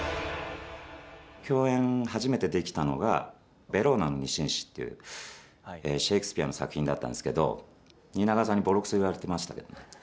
共演、初めてできたのが「ヴェローナの二紳士」っていうシェークスピアの作品だったんですけど、蜷川さんにボロクソ言われてましたけどね。